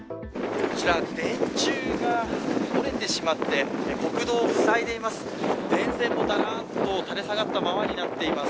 こちら、電柱が折れてしまって国道を塞いでいます。